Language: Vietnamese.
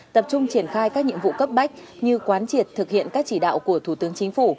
tập trung triển khai các nhiệm vụ cấp bách như quán triệt thực hiện các chỉ đạo của thủ tướng chính phủ